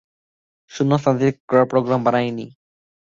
শূন্য স্থান ডিটেক্ট করার প্রোগ্রামটা বানাইনি!